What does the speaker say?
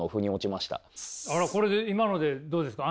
これで今のでどうですか？